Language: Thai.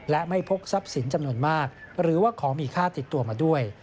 และไม่พกทรัพย์สินจำนวนมากหรือว่าของมีค่าติดตัวมาด้วย